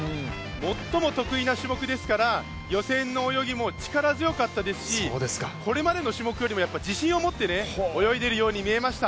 最も得意な種目ですから予選の泳ぎも力強かったですしこれまでの種目よりも自信を持って泳いでいるように見えました。